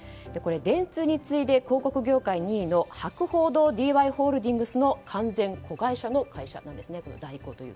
電通に次いで広告業界２位の博報堂ＤＹホールディングスの完全子会社の会社なんですね。